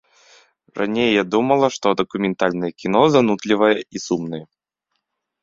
Раней я думала, што дакументальнае кіно занудлівае і сумнае.